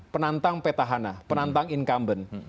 penantang petahana penantang incumbent